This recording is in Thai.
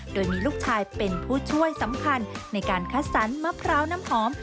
โดยมีลูกชายเป็นผู้ช่วยสำคัญในการคัดสรรมะพร้าวน้ำหอม